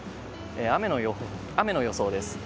雨の予想です。